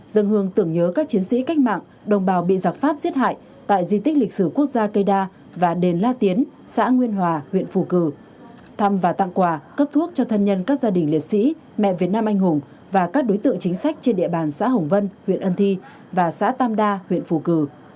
dân hương tưởng nhớ các chiến sĩ cách mạng đồng bào bị giặc pháp giết hại tại di tích lịch sử quốc gia cây đa và đền la tiến xã nguyên hòa huyện phù cử thăm và tặng quà cấp thuốc cho thân nhân các gia đình liệt sĩ mẹ việt nam anh hùng và các đối tượng chính sách trên địa bàn xã hồng vân huyện ân thi và xã tam đa huyện phù cử